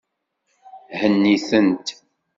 Henni-tent.